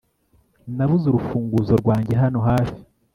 nabuze urufunguzo rwanjye hano hafi